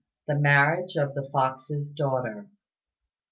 THE MARRIAGE OF THE FOX'S DAUGHTER.